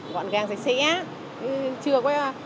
gọn gàng sạch sẽ chưa có